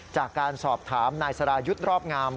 จากการสอบถามนายสรายุทธ์รอบงาม